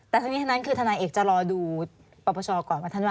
แต่ทั้งนี้ทั้งนั้นคือทนายเอกจะรอดูปปชก่อนว่าท่านว่า